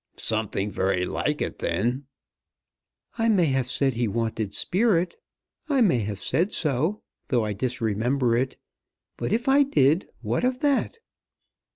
"Something very like it then." "I may have said he wanted sperrit. I may have said so, though I disremember it. But if I did, what of that?"